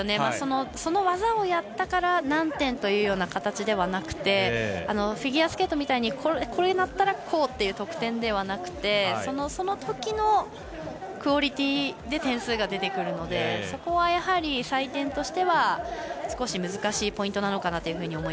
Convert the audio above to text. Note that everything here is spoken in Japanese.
その技をやったから何点というような形ではなくてフィギュアスケートみたいにこれをやったらこうみたいな得点ではなくそのときのクオリティーで点数が出てくるのでそこはやはり、採点としては少し難しいポイントかなと。